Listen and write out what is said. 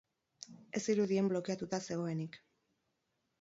Ez zirudien blokeatuta zegoenik.